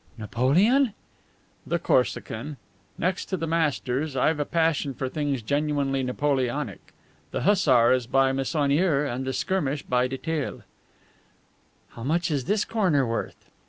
"Napoleon?" "The Corsican. Next to the masters, I've a passion for things genuinely Napoleonic. The hussar is by Meissonier and the skirmish by Detaille." "How much is this corner worth?"